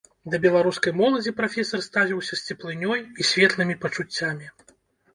Да беларускай моладзі прафесар ставіўся з цеплынёй і светлымі пачуццямі.